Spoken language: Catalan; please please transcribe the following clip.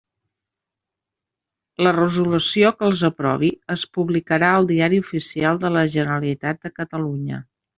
La resolució que els aprovi es publicarà al Diari Oficial de la Generalitat de Catalunya.